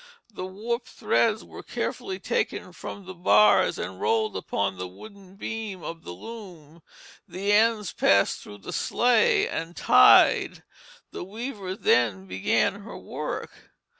The warp threads were carefully taken from the bars and rolled upon the wooden beam of the loom, the ends passed through the sley and tied. The weaver then began her work.